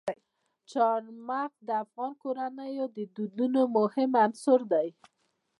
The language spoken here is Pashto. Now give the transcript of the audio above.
چار مغز د افغان کورنیو د دودونو مهم عنصر دی.